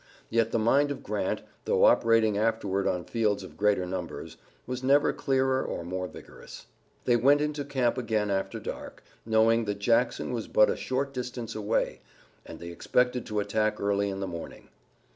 Yet the mind of Grant, though operating afterward on fields of greater numbers, was never clearer or more vigorous. They went into camp again after dark, knowing that Jackson was but a short distance away, and they expected to attack early in the morning.